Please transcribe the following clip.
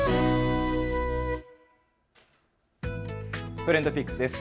ＴｒｅｎｄＰｉｃｋｓです。